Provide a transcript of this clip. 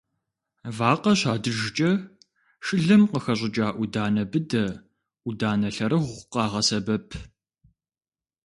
Вакъэ щадыжкӏэ шылэм къыхэщӏыкӏа ӏуданэ быдэ, ӏуданэ лэрыгъу къагъэсэбэп.